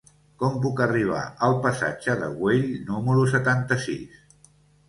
Com puc arribar al passatge de Güell número setanta-sis?